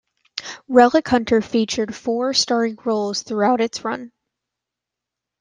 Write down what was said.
"Relic Hunter" featured four starring roles throughout its run.